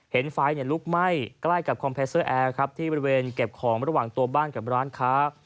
ไฟลุกไหม้ใกล้กับคอมเพสเตอร์แอร์ครับที่บริเวณเก็บของระหว่างตัวบ้านกับร้านค้า